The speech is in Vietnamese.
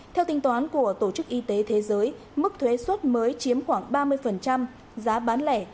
theo tính toán của tổ chức y tế thế giới mức thuế xuất mới chiếm khoảng ba mươi giá bán lẻ